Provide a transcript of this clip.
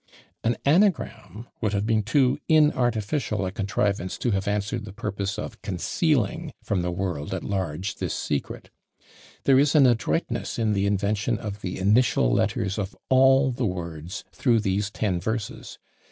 An anagram would have been too inartificial a contrivance to have answered the purpose of concealing from the world at large this secret. There is an adroitness in the invention of the initial letters of all the words through these ten verses.